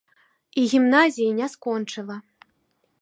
І гімназіі не скончыла.